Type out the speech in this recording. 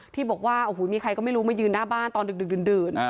ที่บอกว่าโอ้โหมีใครก็ไม่รู้มายืนหน้าบ้านตอนดึกดื่น